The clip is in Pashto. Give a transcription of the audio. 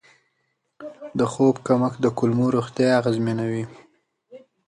د خوب کمښت د کولمو روغتیا اغېزمنوي.